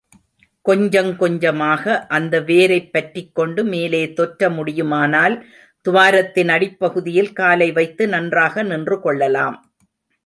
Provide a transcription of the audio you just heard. கொஞ்சங்கொஞ்சமாக அந்த வேரைப் பற்றிக்கொண்டு மேலே தொற்ற முடியுமானால் துவாரத்தின் அடிப்பகுதியில் காலை வைத்து நன்றாக நின்றுகொள்ளலாம்.